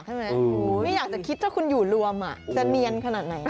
ไม่อยากจะคิดถ้าคุณอยู่รวมจะเนียนขนาดไหน